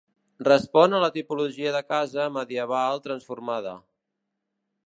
Respon a la tipologia de casa medieval transformada.